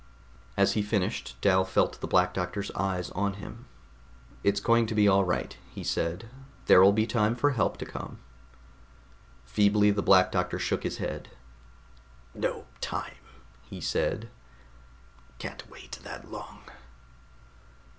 As he finished, Dal felt the Black Doctor's eyes on him. "It's going to be all right," he said. "There'll be time for help to come." Feebly the Black Doctor shook his head. "No time," he said. "Can't wait that long."